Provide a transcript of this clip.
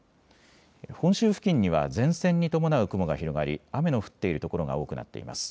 本州付近には前線に伴う雲が広がり、雨の降っている所が多くなっています。